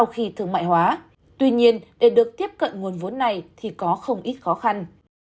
khi thương mại hóa tuy nhiên để được tiếp cận nguồn vốn này thì có không ít khó khăn